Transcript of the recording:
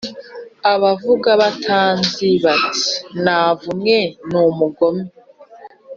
abamvuga batanzi bati navumwe n` ubugome